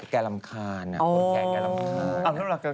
แกรำคาญคนแขกรำคาญ